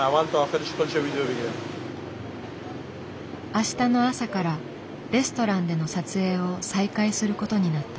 明日の朝からレストランでの撮影を再開することになった。